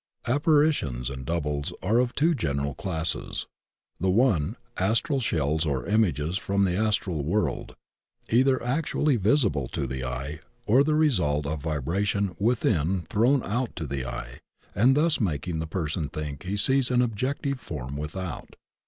Apparitions and doubles are of two general classes. The one, astral shells or images from the astral world, either actually visible to the eye or the result of vibra tion within thrown out to the eye and thus making tfie person think he sees an objective form without.